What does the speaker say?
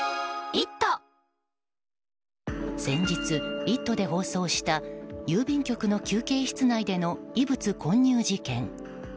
先日「イット！」で放送した郵便局の休憩室内での異物混入事件。